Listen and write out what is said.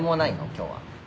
今日は。